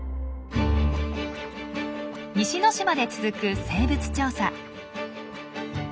西之島で続く生物調査。